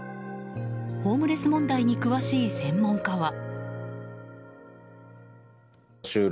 ホームレス問題に詳しい専門家は。